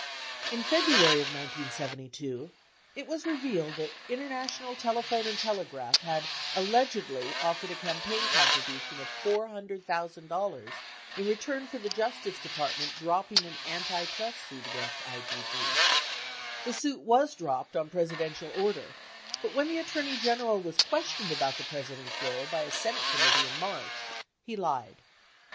In February of 1972, it was revealed that International Tele phone & Telegraph had allegedly offered a campaign contribution of $400,000 in return for the Justice Department dropping an antitrust suit against ITT. The suit was dropped on Presidential order, but when the Attorney General was questioned about the President's role by a Senate committee in March, he lied.